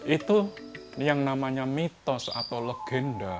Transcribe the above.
itu yang namanya mitos atau legenda